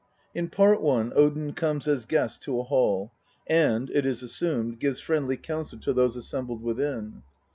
In Part I. Odin comes as guest to a hall, and, it is assumed, gives friendly counsel to those assembled within.